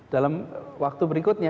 dalam waktu berikutnya